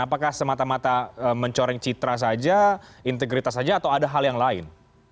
apakah semata mata mencoreng citra saja integritas saja atau ada hal yang lain